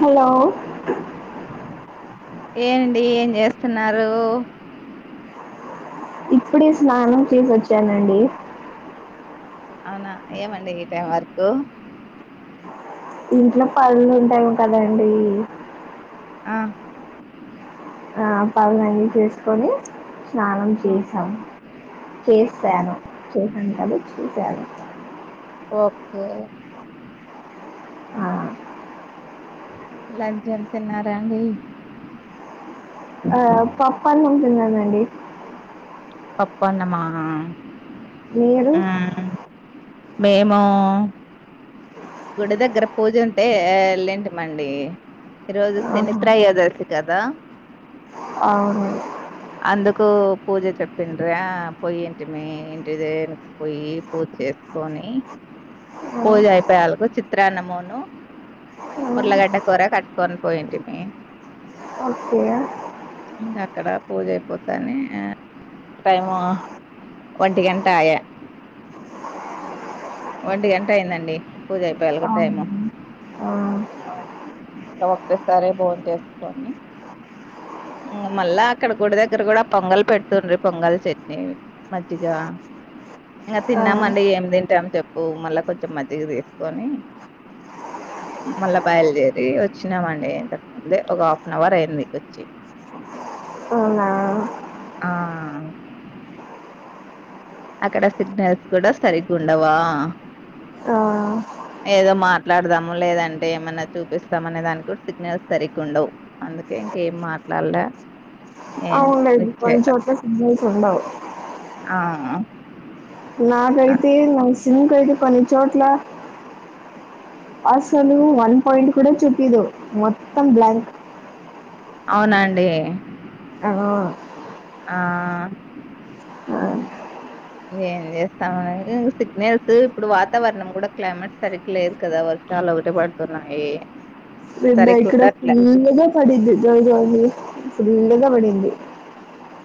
Hello ఏండి ఏం చేస్తున్నారు ఇప్పుడే స్నానం చేసొచ్చానండి అవునా ఏమండి ఈ టైం వరకు ఇంట్లో పన్లుంటాము కదండి ఆ ఆ పవునంగి చేసుకోని స్నానం ఆ చేసాం ఆ చేసాను చేసంటడు చూశాను ఓకే ఆ లంచేన్ తిన్నారా అండి ఆ పప్పన్నం తిందందండి పప్పన్నమా మీరు మ్మ్ మేము గుడి దగ్గర పూజుంటే ఎళ్ళింటి మండి ఈరోజు శని ఆహా, త్రయోదశి కదా అవును కు పూజ చే పిండ్రా పొయ్యింటిమి ఇంటి దేవునికి పొయ్యి పూజ చేసుకొని ఆ, పూజ అయిపోయాలకు చిత్రాన్నమును ఆ, ఉర్లగడ్డ కూర కట్టుకొని పోయింటిమి ఓకే ఇంకా అక్కడ పూజ అయిపోతానే టైము ఒంటి గంట ఆయ ఒంటిగంట అయిందండి పూజ అయిపోయాలకు అవును. టైము ఆ, ఒకేసారే భోంచేసుకొని ఇంగ మళ్ళా అక్కడ గుడి దగ్గర కూడా పొంగల్ పెడుతుండ్రి పొంగల్ చట్నీ మజ్జిగ ఇంగ ఆ, తిన్నామండి ఏం తింటాము చెప్పు మళ్ళా కొంచెం మజ్జిగ తీసుకొని మళ్ళా బయలుదేరి వచ్చినామండి ఇంతకు ముందే ఒక హాఫ్ అన్ అవర్ అయింది వచ్చి అవునా ఆ అక్కడ సిగ్నల్స్ కూడా సరిగ్గా ఉండవా ఆ ఏదో మాట్లాడదాము లేదంటే ఏమన్నా చూపిస్తాము అనే దానికి కూడా సిగ్నల్స్ సరిగ్గా ఉండవు అందు కే ఇంకేం మాట్లాడలే ఏ అవునులే ఇం లిఫ్ట్ కొన్నిచోట్ల సిగ్నల్స్ ఉండవ్ ఆహ్ నాకైతే నా సిమ్‌కైతే కొన్ని చోట్ల అసలు వన్ పాయింట్ కూడా చూప్పియదు మొత్తం బ్లాంక్ అవునండి ఆ ఆఆ ఆ ఏం చేస్తాం సిగ్నల్స్ ఇప్పుడు వాతావరణం కూడా క్లైమేట్ సరిగా లేదు కదా వర్షాలు ఒకటే పడుతున్నాయి నిన్న సరిగ్గా ఇక్కడ ఉండట్లే ఫుల్గా పడింది జోర్ జోరుగా ఫుల్గా పడింది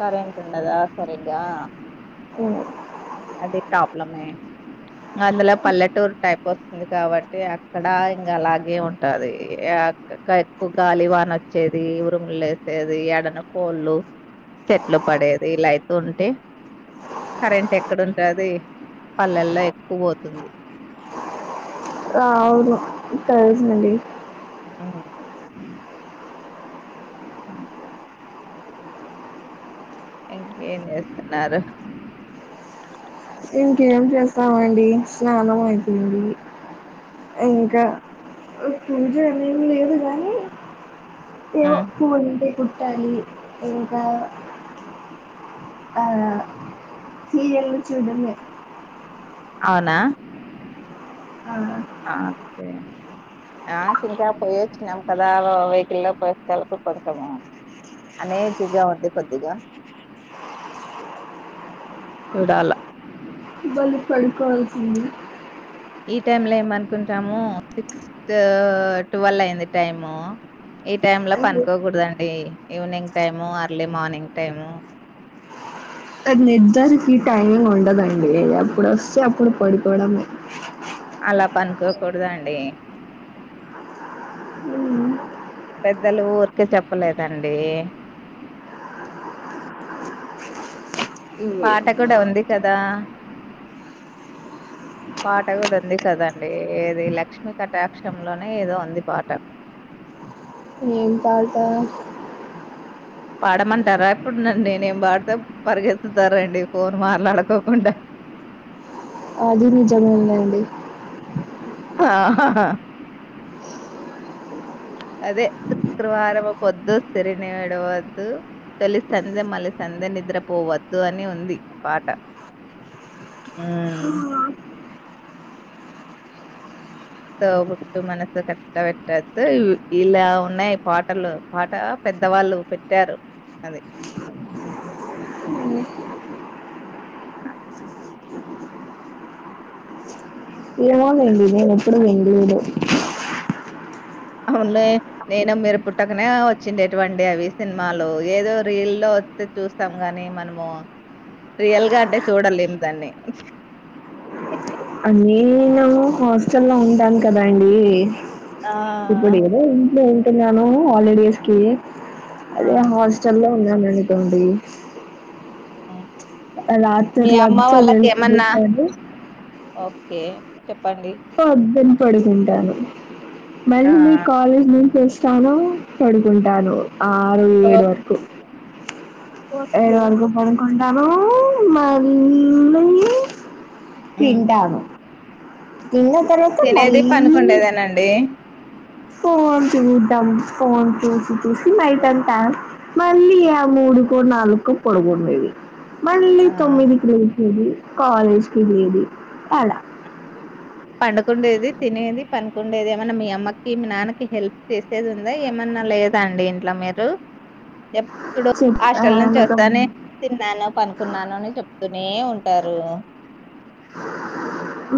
కరెంట్ ఉండదా సరిగ్గా ఆ అది ప్రాబ్లమే అందులో పల్లెటూరు టైప్ వస్తుంది కాబట్టి అక్కడ ఇంగా అలాగే ఉంటది ఎక్కువ గాలి వానొచ్చేది ఉరుముులు లేసేది యడన్న కోళ్ళు చెట్లు పడేది ఇలా అయితుంటే కరెంట్ ఎ క్కడ ఉంటది పల్లెల్లో ఎక్కువ పోతుంది ఆ అవును తెలుసునండి ఉమ్మ్ ఉమ్ ఇంకేం చేస్తున్నారు ఇంకేం చేస్తామండి స్నానం అయిపోయింది ఇంకా పూజ అనేం లేదు గానీ ఏవో హ్మ్. పూలుంటే కుట్టాలి ఇంకా ఆ సీరియల్ చూడ్డమే అవునా అ అకే నాకి ఇంకా పోయొచ్చు నం కదా వెహికిల్ పోయస్తళ్కు కొంచం అనేజిగా ఉంది కొద్దిగా చూడాల ఇ బలుపడుకోవాల్సింది ఈ టైమ్ లో ఏమనుకుంటాము సిక్స్ ట్వల్ అయింది టైము ఈ టైమ్ లో అంటే పనుకోకూడదండి evening time early morning time నిర్ధారకి ఈ టైమింగ్ ఉండదండి అప్పుడు వస్తే అప్పుడు పడిపోవడం అలా పనుకోకూడదండి పెద్దలు ఊరికే చెప్పలేదండి పాట ఓయమ్మా! కూడా ఉంది కదా పాట కూడా ఉంది కదండి ఏది లక్ష్మీ కటాక్షంలోనే ఏదో ఉంది పాట ని పాడమంటారా ఇప్పుడు నుండి నేను పాడితే పరిగెత్తుతారాండి ఫోన్ మాట్లాడుకోకుండా అది నిజమే లేండి హాాహా అదే శుక్రవారం పొద్దు సిరిని విడవద్దు తొలి సందే మలి సంధే నిద్రపోవద్దు అని ఉంది పాట హ తోబుట్టు మనసు కష్ట పెట్టద్దు ఇలా ఉన్నాయి పాటలు పాట పెద్ద పెద్దవాళ్ళు పెట్టారు అది అ ఏం ఏమో చేస్తున్నారు వండి నేను ఎప్పుడు వండిడు అవునులే నేను మీరు పుట్టకనే వచ్చిండేటువంటి అవి సినిమాలు ఏదో రీల్ల్లో వస్తే చూస్తాం గాని మనము రియల్గా అంటే చూడలేం దాన్ని అే అ నేను హాస్టల్ లో ఉంటాను కదా అండి ఆ ఇప్పుడు ఏదో ఇంట్లో ఉంటున్నాను హాలిడేస్ కి ఆ అదే హోస్టల్ లో ఉన్నామనుకోండి ఆ మీ అమ్మ రాత్రిలంతా వాళ్ళకి మేల్కొని ఏమన్నా ఉంటాండు ఓకే చె పొద్దున్నే పడుకుంటాను ఆ మళ్ళీ కాలేజ్ నుం చూస్తాను పడుకుంటాను ఆరు ఏడు వరకు ఏడు ఓకే వరకు పడుకుంటాను మళ్ళీ తింటాను తిన్న తర్వాత తినేది మళ్ళీ పనుకుండేదేనండి ఫోన్ చూద్దాం ఫోన్ చూసి చూసి నైట్ అంతా మళ్ళీ ఆ మూడు మూడుకు నాలుకు పడుకునేది మళ్ళీ ఆ తొమ్మిది కించది కాలేజ్కిి వెళ్ళేది అలా అ పండుకుండేది తినేది పనుకుండేది ఏమైన్నా మీ అమ్మకి మీ నాన్నకి హెల్ప్ చేసేది ఉందా ఏమన్నా న్నా లేదండి ఇంట్లో మీరు ఇప్పుడు హాస్టల్ నుంచి చెప్పాను కదా. వస్తాని తిన్నాను పనుకున్నాను అని చెప్తను వతూనే ఉంటారు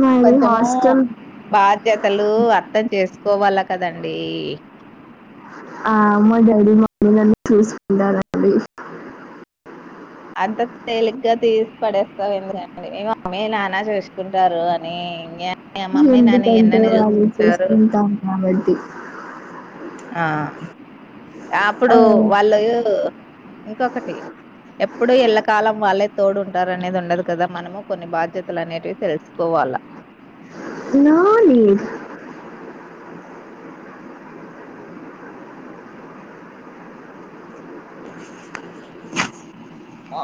మరి కొంచం హాస్టల్ బాధ్యత బాధ్యతలు అర్థం చేసుకోవాలా కదండీ ఆ మా మమ్మీ డాడీ చూసుకుంటారండీ అంత తేలిగ్గా తీసి పడేస్తారూ ఎందుకండి మేము అమ్మే నానా చూసుకుంటారు అని ఇం ఆ మమ్మయి నాన్న ఎందుకంటే ఎన్నని వాళ్ళు చూసుకుంటారు చూసుకుంటాం కాబట్టి ఆ అప్పుడు ఆ, వాళ్ళు ఇంకొకటి ఎప్పుడు ఎ ళ్లకాలం వాళ్ళే తోడుంటారు అనేది ఉండదు కదా మనము కొన్ని బాధ్యతలు అనేవి తెలుసుకోవాల నో నీడ్ ఆ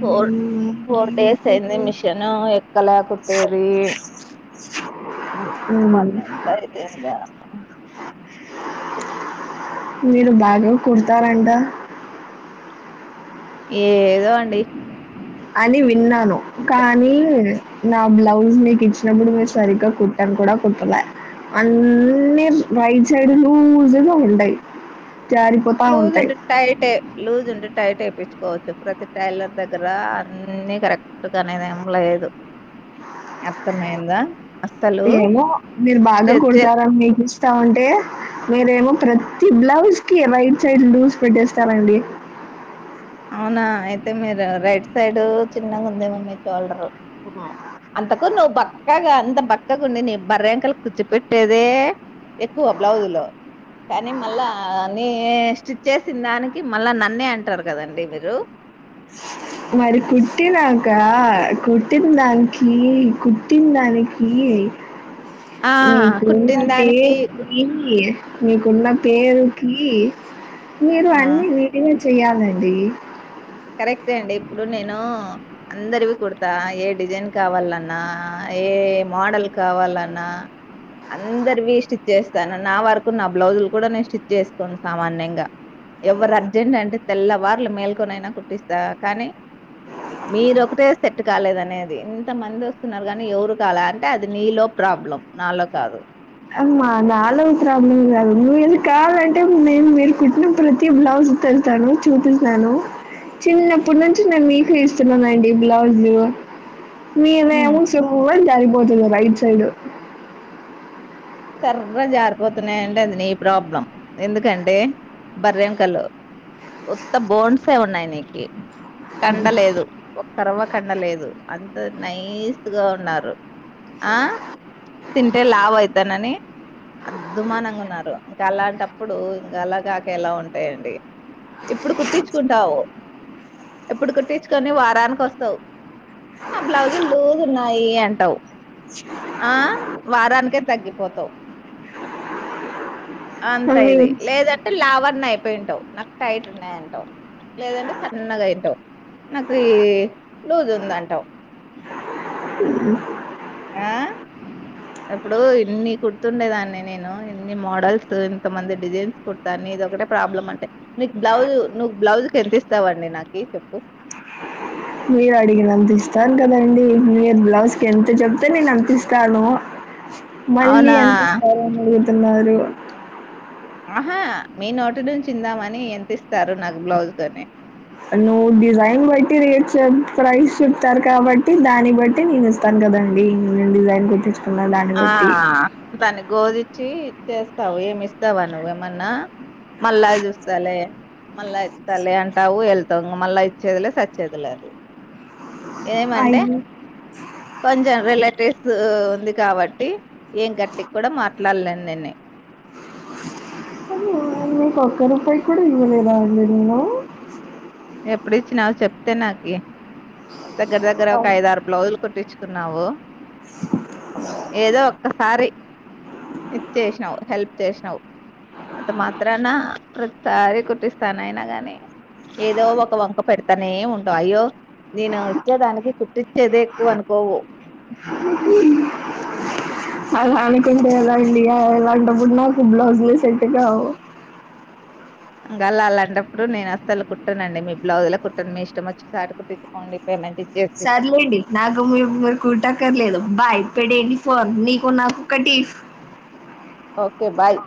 ఫోర్ ఫోర్ డేస్ అయింది మిషన్ ఎక్కలేకుట్టేది [unintelligible] మీరు బాగా కుడతారంట ఏదో అండి అని విన్నాను కానీ నా బ్లౌజ్ నీకు ఇచ్చినప్పుడు మీరు సరిగ్గా కుట్టం కూడా కుట్టలే అన్న రైట్ సైడ్ లూజగా ఉంటా యి లూస్ ఉంటే టైట్ లూస్ ఉంటే టైట్ వయించుకోవచ్చు ప్రతి టైలర్ దగ్గర అన్ని కరెక్ట్ గానేది ఏం లేదు అర్థమైందా ఏమో మీరు బాగా కుడతారని మీకు ఇస్తా ఉంటే మీరేమో ప్రతి బ్లౌస్ ఓ రైట్ సైడ్ లూస్ పెట్టేస్తారండి అవునా అయితే మీరు రైట్ సైడ్ చిన్నగా ఉందేమో మీ చషోల్డరు అంతకు నువ్వు బక్కగా అంత బక్కగా ఉండి నీ బర్ర అంకలు కూర్చుపెట్టేదే ఎక్కువ బ్లౌజు లు కానీ మళ్ళా నీ స్టిచ్ చేసిన దానికి మళ్ళా నన్నే అంటారు కదండి ఇ మీరు మరి కుట్టినాక కుట్టిన దానికి కుట్టిన దానికి ఆ మరి నీకున్న కుట్టిన దానికి కు- టేస్టెక్కి మీకున్న పేరుకి మీరు ఆ అన్నివ విడివిడి చెయ్యాలండి కరెక్టే అండి ఇప్పుడు నేను అందరివి కుడతా ఏ డిజైన్ కావాలన్నా ఏ మోడల్ కావాలన్నా అందరివి స్టిచ్ చేస్తాను నా వరకు నా బ్లౌజులు కూడా నేను స్టిచ్ చేసుకుంటా అనివిగా ఎవరు అర్జెంట్ అంటే తెల్లవార్లు మేల్కొనైనా కుట్టిస్తా కానీ మీరొ ఒకటే సెట్ కాలేద అనేది ఇంత మంది వస్తున్నారు కానీ ఎవరు కవాలా అంటే అది నీలో ప్ర ప్రాబ్లం నాలో కాదు అమ్మా నాాలో ప్రాబ్లం కాదు నువ్్వవు ఇది కావాలంటే నేను మీరు కుట్టిన ప్రతి బ్లౌజ్ త రండి చూపిస్తాను చిన్నప్పుటి నుంచీ నేను మీకే ఇస్తున్నానండి బ్లౌజ్లూ. హ్మ్. మీదేమో సుర్ర్ అని జారిపోతుంది రైట్ సైడు సర్ర్ అని జారిపోతున్నాయంటే అది నీ ప్రాబ్లం ఎందుకంటే. బర్రెం ఎముకలు ఉత్త బోన్సే ఉన్నాయి నీకీ కండ లేదు ఒక్కరవ్వ కండ లేదు అంత నైస్ గా ఉన్నారు. ఆ తింటే లావు అయితననీ. అద్ధుమానంగా ఉన్నారు ఇంకా అలాంటప్పుడూ ఇంగా అలా కాక ఎలా ఉంటాయండి. ఇప్పుడు కుట్టిచ్చుకుంటావు ఇప్పుడు కుట్టిచ్చుకొని వారానికి వస్తవు. నా బ్లౌజుల్ లూజ్ ఉన్నాయీ అంటావు ఆ వారానికే తగ్గిపోతవ్ అంతా మీ ఇది లేదంటే లావన్న అయిపోయింటావు నాక్ టైట్ ఉన్నాయింటావు. లేదంటే సన్నగై ఉంటావ్ నాకు ఈ లూజ్ ఉంది అంటావ్. అ అప్పుడూ ఇన్నీ కుడుతుండేదాన్ని నేను ఎన్ని మోడల్స్ ఎంత మంది డిజైన్స్ కుడతాన్ నీ ది ఒకటే ప్రాబ్లమ్ అంటే నీకు బ్లౌజు నువ్వు బ్లౌజ్కి ఎంత ఇస్తావండి నాకీ చెప్పు. మీరు అడిగినంత ఇస్తాన్ కదండీ మీరు బ్లౌజ్ కి ఎంత చెప్తే నేన్ అంత ఇస్తానూ. మళ్ళీ అవునా ఎంత ఇస్తారు అని అడుగుతున్నారు. ఆహా మీ నోటి నుంచి ఇందామనీ ఎంత ఇస్తారు నాకు బ్లౌజ్ కని. నువ్వు డిజైన్ బట్టి రేట్ చెప్ ప్రైస్ చెప్తారు కాబట్టి దాన్ని బట్టి నేను ఇస్తాన్. కదా అండి నేను డిజైన్ కుట్టిచ్ ఆ దాన్ని గోధిచ్చీ ఇచ్చేస్తావు ఏమి ఇస్తావా నువ్వేమన్నా. మళ్ళా చూస్తాలే. మళ్ళా ఇస్తాలే అంటావు ఎళ్తావు ఇంగ మళ్ళా ఇచ్చేదిలే సచ్చేదిలేదు. ఏమంటే అయ్యో! కొంచెం రిలేటివ్స్ ఊ ఉంది కాబట్టి ఏం గట్టిక్ కూడా మాట్లాడలేను నేని అమ్మో నీ కొక్కరూపాయి కూడా ఇవ్వలేదా అండి నేనూ. ఎప్పుడిచ్చినావు చెప్తే నాకి దగ్గర దగ్గరా ఒక ఐదారు బ్లౌజులు కుట్టిచ్చు కున్నావు ఏదో ఒక్కసారి. ఇచ్చేశ్నావు హెల్ప్ చేశినావ్ అంత మాత్రానా ప్రతిసారి కుటిస్తానా అయినగానీ. ఏదో ఒక వంక పెడతనే ఉంటావ్ అయ్యో. నేనూ ఇచ్చే దానికి కుట్టిచ్చేదే ఎక్కువ అనుకోవు. అలా అనుకుంటే ఎలా అండి అలాంటప్పుడు నాకు బ్లౌజ్లే సెట్టు కావు. ఇంగ అలా అలాంటప్పుడు నేను అస్సలు కుట్టనండి మీ బ్లౌజ్లే కుట్టను మీ ఇష్టం వచ్చిన చోట కుట్టిచ్చికోండి పేమెంట్ ఇచ్ సర్లేండి నాకు మీరు మీరు కుట్టక్కర్లేదు. బై పెట్టేయండి ఫోన్ నీకు నాకు కట్టీఫ్. Okay bye